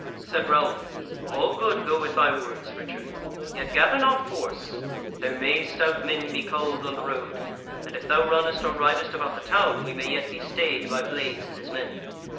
Said Ralph: "All good go with thy words, Richard; yet gather not force: there may stout men be culled on the road; and if thou runnest or ridest about the town, we may yet be stayed by Blaise and his men.